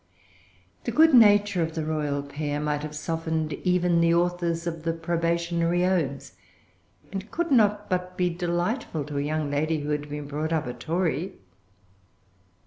The good nature of the royal pair might have softened even the authors of the Probationary Odes, and could not but be delightful to a young lady who had been brought up a Tory.